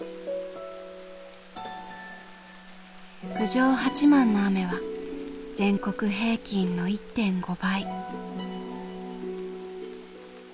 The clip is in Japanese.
郡上八幡の雨は全国平均の１．５倍。